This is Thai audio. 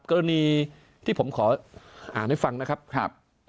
กรณีที่ผมขออ่านให้ฟังนะครับ